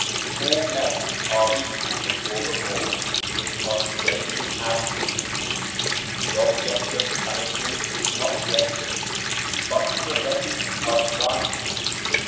All men are equal before the Law, which must reign absolutely. The object of punishment is not vengeance, but the prevention of crime.